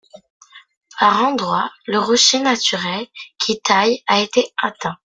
Par endroits, le rocher naturel, qui est taillé, a été atteint.